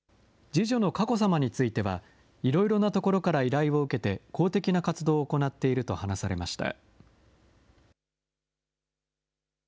次女の佳子さまについては、いろいろなところから依頼を受けて、公的な活動を行っていると話されました。